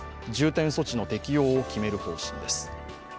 重点措置の適用を決める方針です。